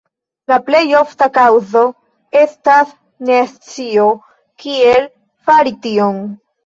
La plej ofta kaŭzo estas nescio, kiel fari tion.